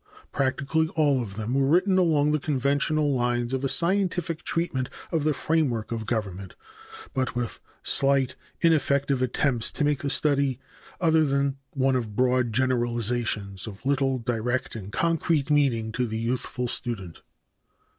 Practically all of them were written along the conventional lines of a scientific treatment of the framework of government with but slight and ineffective attempts to make the study other than one of broad generalizations of little direct and concrete meaning to the youthful student.